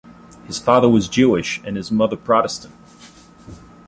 His father was Jewish and his mother Protestant.